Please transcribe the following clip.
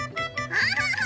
アハハ！